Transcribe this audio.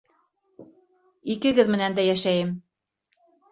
Икегеҙ менән дә йәшәйем!